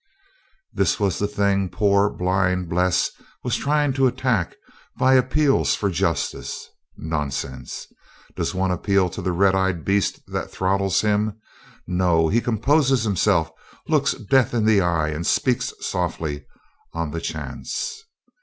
This was the thing poor blind Bles was trying to attack by "appeals" for "justice." Nonsense! Does one "appeal" to the red eyed beast that throttles him? No. He composes himself, looks death in the eye, and speaks softly, on the chance.